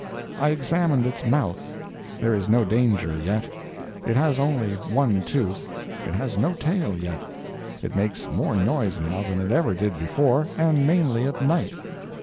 I examined its mouth. There is no danger yet: it has only one tooth. It has no tail yet. It makes more noise now than it ever did before and mainly at night.